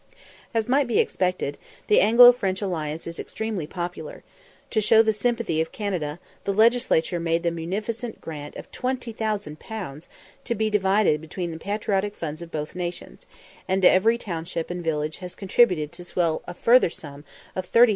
As might be expected, the Anglo French alliance is extremely popular: to show the sympathy of Canada, the Legislature made the munificent grant of 20,000_l._ to be divided between the Patriotic Funds of both nations, and every township and village has contributed to swell a further sum of 30,000_l.